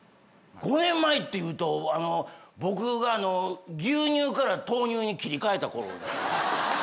５年前っていうと僕が牛乳から豆乳に切り替えたころ。